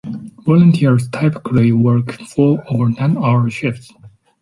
Volunteers typically work four- or nine-hour shifts.